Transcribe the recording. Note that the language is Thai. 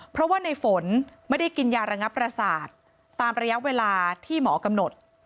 เพราะว่าในฝนไม่ได้กินยาระงับประสาทตามระยะเวลาที่หมอกำหนด